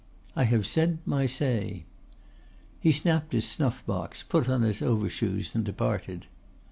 I have said my say." He snapped his snuff box, put on his overshoes, and departed.